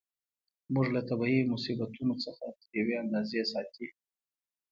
موږ له طبیعي مصیبتونو څخه تر یوې اندازې ساتي.